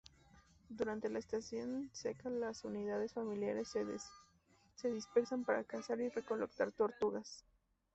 Durante la estación seca las unidades familiares se dispersan para cazar y recolectar tortugas.